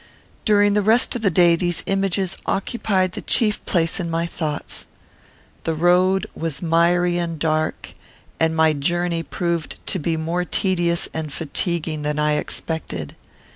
During the rest of the day these images occupied the chief place in my thoughts. The road was miry and dark, and my journey proved to be more tedious and fatiguing than I expected.